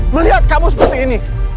melihat kamu seperti ini